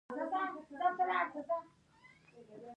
سیلاني ځایونه د ټولو هیوادوالو لپاره لوی ویاړ دی.